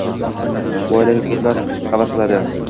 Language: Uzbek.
Bu oilaga koʻplar havas qiladi